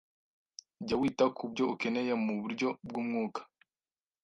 Jya wita ku byo ukeneye mu buryo bw’umwuka